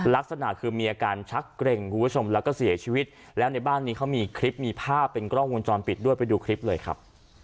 ลักษณะคือมีอาการชักเกร็งคุณผู้ชมแล้วก็เสียชีวิตแล้วในบ้านนี้เขามีคลิปมีภาพเป็นกล้องวงจรปิดด้วยไปดูคลิปเลยครับ